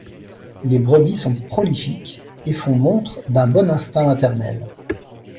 Les brebis sont prolifiques et font montre d'un bon instinct maternel.